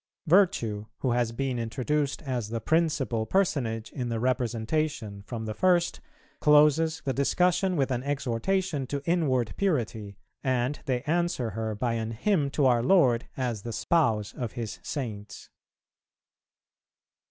Virtue, who has been introduced as the principal personage in the representation from the first, closes the discussion with an exhortation to inward purity, and they answer her by an hymn to our Lord as the Spouse of His Saints.